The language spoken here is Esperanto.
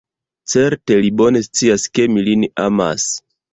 Certe li bone scias, ke mi lin amas.